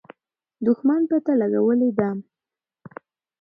دښمن پته لګولې ده.